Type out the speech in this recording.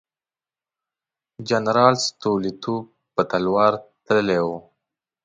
جنرال ستولیتوف په تلوار تللی وو.